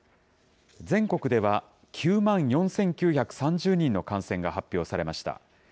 全国では９万４９３０人の感染が発表されました。